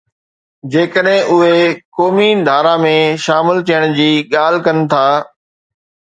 جيڪڏهن اُهي قومي ڌارا ۾ شامل ٿيڻ جي ڳالهه ڪن ٿا.